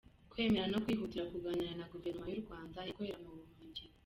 «Kwemera no kwihutira kuganira na Guverinoma y’u Rwanda ikorera mu buhungiro».